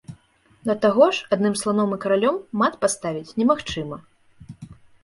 Да таго ж адным сланом і каралём мат паставіць немагчыма.